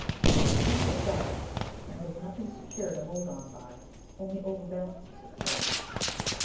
A snake that "darts" when it has nothing secure to hold on by, only overbalances itself.